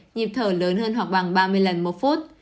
nhịp thở lớn hơn hoặc bằng ba mươi lần một phút